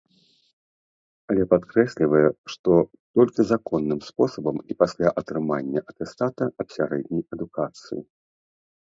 Але падкрэслівае, што толькі законным спосабам і пасля атрымання атэстата аб сярэдняй адукацыі.